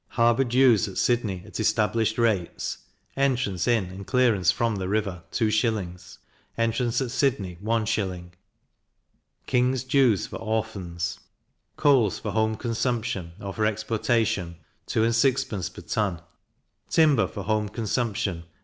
harbour dues at Sydney at established rates, entrance in and clearance from the river 2s. entrance at Sydney 1s. King's dues for Orphans: coals for home consumption, or for exportation, 2s. 6d. per ton; timber for home consumption 3L.